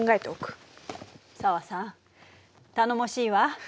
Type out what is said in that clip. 紗和さん頼もしいわ。